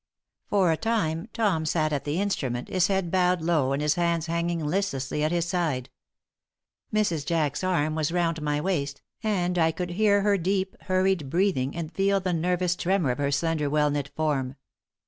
For a time, Tom sat at the instrument, his head bowed low and his hands hanging listlessly at his side. Mrs. Jack's arm was round my waist, and I could hear her deep, hurried breathing and feel the nervous tremor of her slender, well knit form.